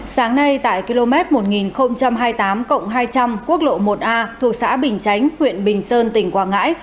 sáng nay tại km một nghìn hai mươi tám hai trăm linh quốc lộ một a thuộc xã bình chánh huyện bình sơn tỉnh quảng ngãi